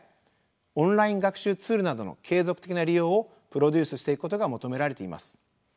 オンライン学習ツールなどの継続的な利用をプロデュースしていくことが求められています。